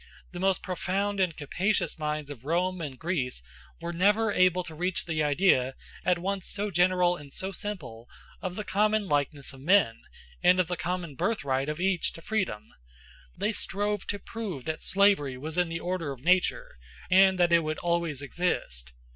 The most profound and capacious minds of Rome and Greece were never able to reach the idea, at once so general and so simple, of the common likeness of men, and of the common birthright of each to freedom: they strove to prove that slavery was in the order of nature, and that it would always exist.